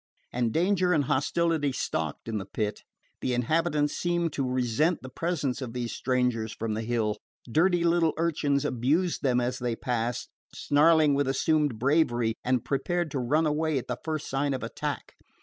And danger and hostility stalked in the Pit. The inhabitants seemed to resent the presence of these strangers from the Hill. Dirty little urchins abused them as they passed, snarling with assumed bravery, and prepared to run away at the first sign of attack.